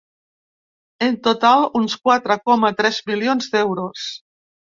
En total, uns quatre coma tres milions d’euros.